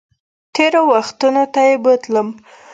تېرو وختونو ته یې بوتلم